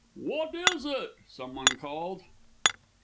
"Wot is it?" some one called.